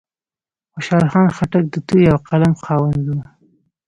خوشحال خان خټک د تورې او قلم خاوند و.